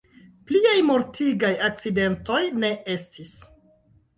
Pliaj mortigaj akcidentoj ne estis.